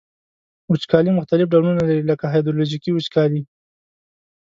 وچکالي مختلف ډولونه لري لکه هایدرولوژیکي وچکالي.